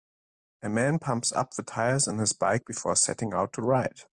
A man pumps up the tires in his bike before setting out to ride.